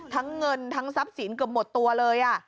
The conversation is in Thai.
ทั้งเงินทั้งทรัพย์สินเกือบหมดตัวเลย